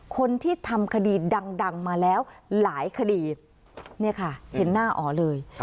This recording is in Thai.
คนที่ทำคดีดังมาแล้วหลายคดีเนี่ยค่ะเห็นหน้าอ๋อเลย